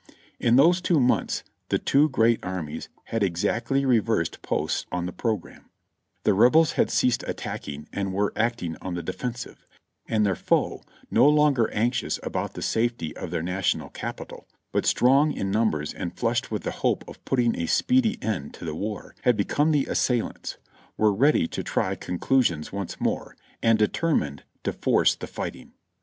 In those two months the two great armies had exactly re versed posts on the programme ; the Rebels had ceased attack ing and were acting on the defensive, and their foe, no longer anxious about the safety of their National Capital, but strong in numbers and flushed with the hope of putting a speedy end to the war, had become the assailants ; were ready to try conclu sions once more, and determined to force the fighting.